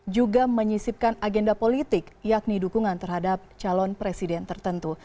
juga menyisipkan agenda politik yakni dukungan terhadap calon presiden tertentu